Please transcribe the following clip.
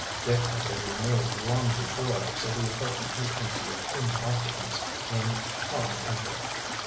Dick had been removed long before, so the apartment was empty of human occupants when Tom entered.